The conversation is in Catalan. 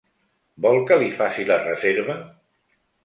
Vol que li faci la reserva?